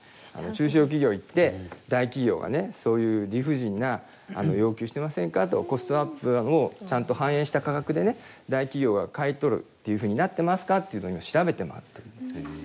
中小企業行って大企業がねそういう理不尽な要求してませんかとコストアップをちゃんと反映した価格で大企業が買い取るっていうふうになってますかっていうのを今調べて回ってるんです。